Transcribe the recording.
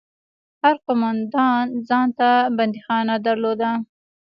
هر قومندان ځان ته بنديخانه درلوده.